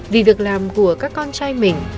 vì việc làm của các con trai mình